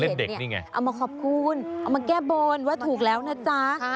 นี่ไงเอามาขอบคุณเอามาแก้บนว่าถูกแล้วนะจ๊ะ